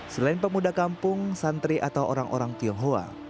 selain pemuda kampung santri atau orang orang tionghoa